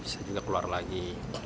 jadi tidak keluar lagi